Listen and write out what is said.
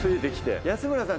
安村さん